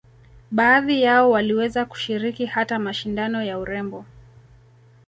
Baadhi yao waliweza kushiriki hata mashindano ya urembo